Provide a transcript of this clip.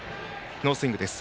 ノースイングです。